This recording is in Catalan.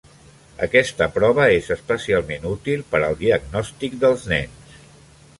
Aquesta prova és especialment útil per al diagnòstic dels nens.